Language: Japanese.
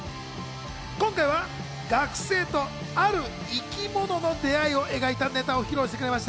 今回は学生とある生き物の出会いを描いたネタを披露してくれました。